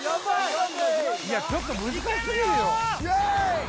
いやちょっと難しすぎるよいけるよ！